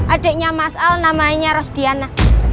adeknya mas al namanya rostiana